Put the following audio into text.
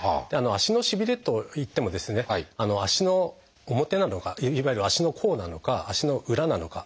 足のしびれといっても足の表なのかいわゆる足の甲なのか足の裏なのか。